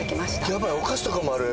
やばいお菓子とかもある